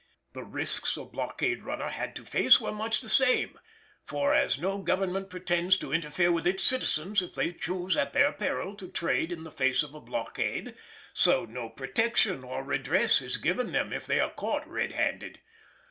The risks a blockade runner had to face were much the same, for as no Government pretends to interfere with its citizens if they choose at their peril to trade in the face of a blockade, so no protection or redress is given them if they are caught red handed.